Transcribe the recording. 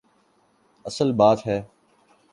اصل بات ہے۔